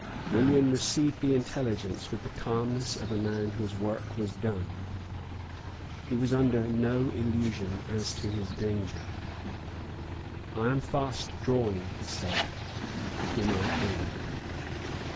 William received the intelligence with the calmness of a man whose work was done. He was under no illusion as to his danger. "I am fast drawing," he said, "to my end."